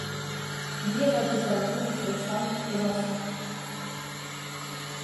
Lui rêve de famille, de femme et d'enfants.